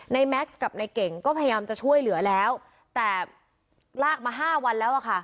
แม็กซ์กับนายเก่งก็พยายามจะช่วยเหลือแล้วแต่ลากมาห้าวันแล้วอะค่ะ